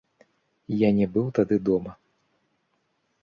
Я не быў тады дома.